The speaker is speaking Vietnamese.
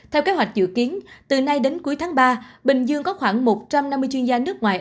theo kế hoạch dự kiến từ nay đến cuối tháng ba bình dương có khoảng một trăm năm mươi chuyên gia nước ngoài